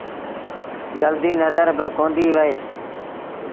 جلديٚ نزر باڪونديٚ وهي۔